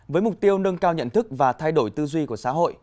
với mục tiêu nâng cao nhận thức và thay đổi tư duy của xã hội